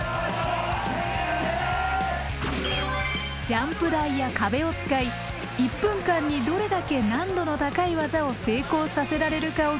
ジャンプ台や壁を使い１分間にどれだけ難度の高い技を成功させられるかを競う。